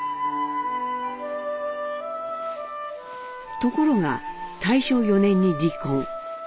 ところが大正４年に離婚。